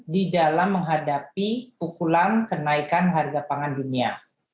di dalam menghadapi pukulan kenaikan harga pangan dunia